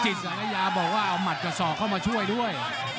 จินจินสะรายาบอกว่าเอามัดก็สอกเข้ามาช่วยด้วย